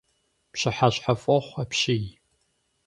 Пщыхьэщхьэфӏохъу апщий!